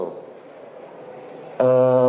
kenapa harus dikejar pakai pisau